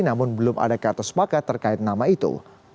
namun belum ada kata sepakat terkait nama itu